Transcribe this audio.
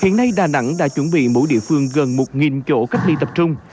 hiện nay đà nẵng đã chuẩn bị mỗi địa phương gần một chỗ cách ly tập trung